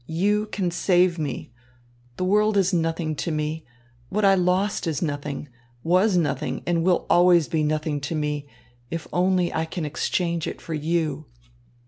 You can save me. The world is nothing to me. What I lost is nothing, was nothing and will always be nothing to me, if only I can exchange it for you.